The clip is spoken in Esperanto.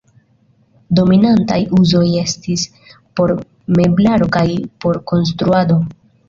Dominantaj uzoj estis por meblaro kaj por konstruado.